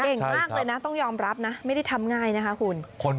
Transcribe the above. เก่งมากเลยนะต้องยอมรับนะไม่ได้ทำง่ายนะคะคุณ